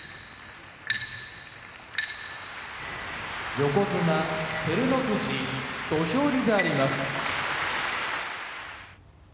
横綱照ノ富士土俵入りであります。